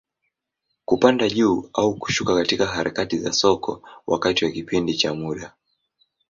Kupanda juu au kushuka katika harakati za soko, wakati wa kipindi cha muda.